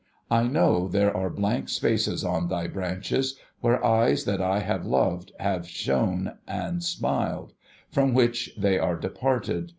I know there are blank spaces on thy branches, where eyes that I have loved have shone and smiled ; from wliich they are departed.